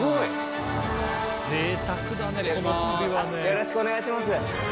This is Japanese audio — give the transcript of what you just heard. よろしくお願いします。